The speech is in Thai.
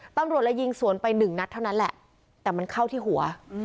ตำรวจเลยยิงสวนไปหนึ่งนัดเท่านั้นแหละแต่มันเข้าที่หัว